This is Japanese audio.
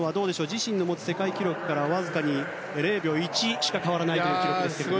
自身の持つ世界記録からわずかに０秒１しか変わらないという記録ですけれども。